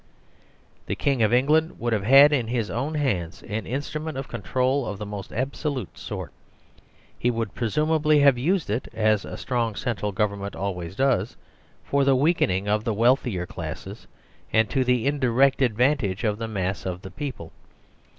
The King of England would have had in his own hands an instrument of control of the most absolute sort. He would presumably have used it, as a strong central government always does, for the weakening of the wealthier classes, and to the indirect advantage of the mass of the people.